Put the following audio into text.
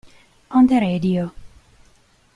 On the Radio